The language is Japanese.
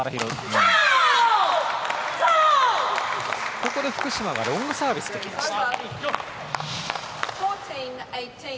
ここで福島がロングサービスを打ってきました。